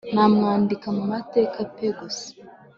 nawandika mumateka pe gusa